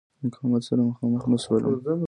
مقاومت سره مخامخ نه شول.